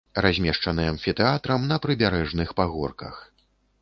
Размешчаны амфітэатрам на прыбярэжных пагорках.